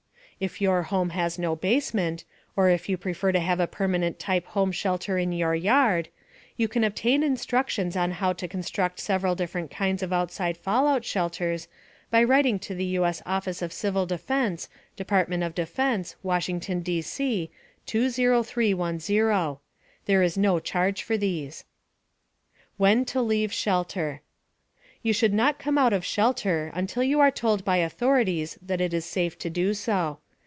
If your home has no basement, or if you prefer to have a permanent type home shelter in your yard, you can obtain instructions on how to construct several different kinds of outside fallout shelters by writing to the U.S. Office of Civil Defense, Department of Defense, Washington, D.C. 20310. There is no charge for these. WHEN TO LEAVE SHELTER You should not come out of shelter until you are told by authorities that it is safe to do so.